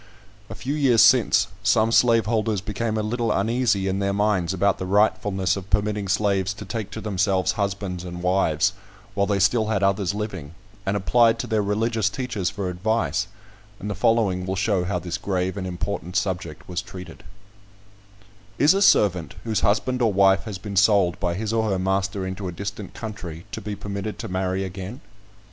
A few years since, some slaveholders became a little uneasy in their minds about the rightfulness of permitting slaves to take to themselves husbands and wives, while they still had others living, and applied to their religious teachers for advice; and the following will show how this grave and important subject was treated: "Is a servant, whose husband or wife has been sold by his or her master into a distant country, to be permitted to marry again?"